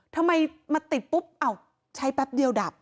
ทำไมมาติดปุ๊บใช้แป๊บเดียวดับ